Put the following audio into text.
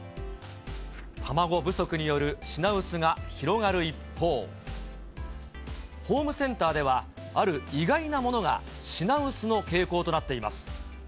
卵不足による品薄が広がる一方、ホームセンターでは、ある意外なものが品薄の傾向となっています。